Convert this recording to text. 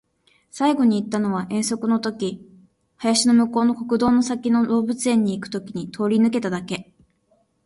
最後に行ったのは遠足の時、林の向こうの国道の先の動物園に行く時に通り抜けただけ